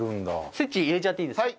スイッチ入れちゃっていいですか？